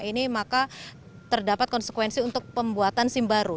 ini maka terdapat konsekuensi untuk pembuatan sim baru